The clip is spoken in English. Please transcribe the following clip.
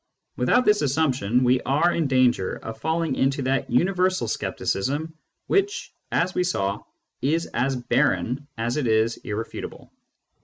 Without this assumption, we are in danger of falling into that universal scepticism which, as we saw, is as barren as it is irrefutable.